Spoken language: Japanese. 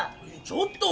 ちょっと！